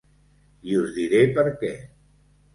I us diré per què.